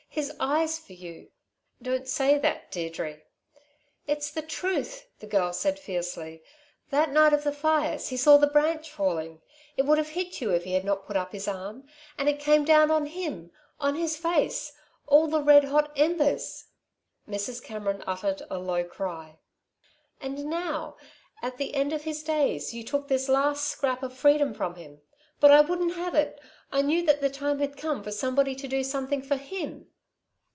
His eyes for you " "Don't say that, Deirdre!" "It's the truth," the girl said fiercely. "That night of the fixes he saw the branch falling. It would have hit you if he had not put up his arm, and it came down on him on his face all the red hot embers...." Mrs. Cameron uttered a low cry. "And now at the end of his days you took this last scrap of freedom from him. But I wouldn't have it. I knew that the time had come for somebody to do something for him."